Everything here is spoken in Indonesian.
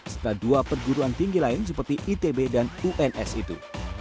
serta dua perguruan tinggi lain seperti itb dan uns itu